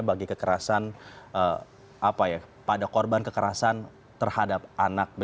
bagi kekerasan pada korban kekerasan terhadap anak